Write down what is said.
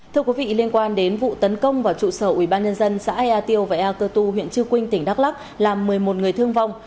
thưa quý vị liên quan đến vụ tấn công vào trụ sở ubnd xã ea tiêu và ea cơ tu huyện chư quynh tỉnh đắk lắc làm một mươi một người thương vong